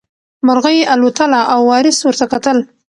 مرغۍ الوتله او وارث ورته کتل.